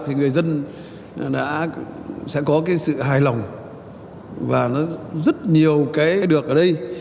thì người dân sẽ có sự hài lòng và rất nhiều cái được ở đây